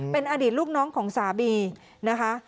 เป็นอดีตลูกน้องของสามีนะคะ